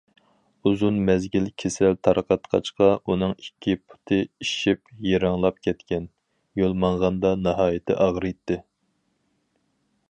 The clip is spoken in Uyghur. ئۇزۇن مەزگىل كېسەل تارتقاچقا، ئۇنىڭ ئىككى پۇتى ئىششىپ، يىرىڭلاپ كەتكەن، يول ماڭغاندا ناھايىتى ئاغرىيتتى.